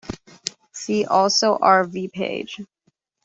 See also "R v Page".